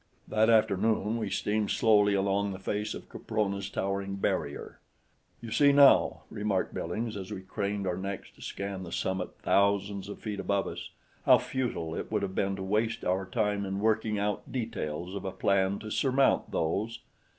That afternoon we steamed slowly along the face of Caprona's towering barrier. "You see now," remarked Billings as we craned our necks to scan the summit thousands of feet above us, "how futile it would have been to waste our time in working out details of a plan to surmount those."